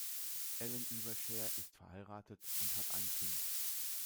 Ellen Ueberschär ist verheiratet und hat ein Kind.